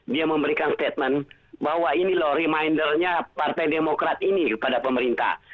dia memberikan statement bahwa ini loh remindernya partai demokrat ini kepada pemerintah